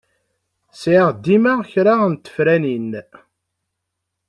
Sɛiɣ dima kra n tefranin.